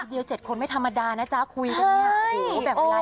๑เดียว๗คนไม่ธรรมดานะจ๊ะคุยกันเนี่ย